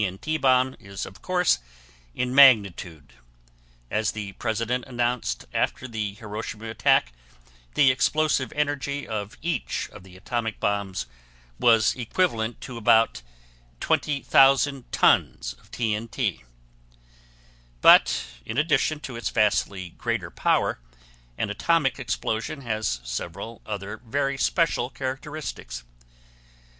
N.T. bomb is of course in magnitude; as the President announced after the Hiroshima attack, the explosive energy of each of the atomic bombs was equivalent to about 20,000 tons of T.N.T. But in addition to its vastly greater power, an atomic explosion has several other very special characteristics.